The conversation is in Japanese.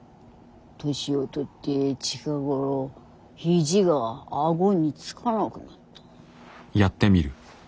年を取って近頃肘が顎につかなくなった。